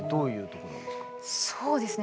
そうですね。